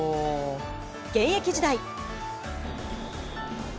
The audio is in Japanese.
現役時代。